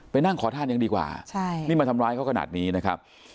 นั่งขอทานยังดีกว่าใช่นี่มาทำร้ายเขาขนาดนี้นะครับ